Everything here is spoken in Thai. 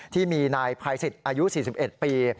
ที่มีนายภัยสิทธิ์อายุ๔๑ปี